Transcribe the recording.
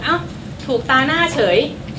เอ้าถูกตาหน้าเฉย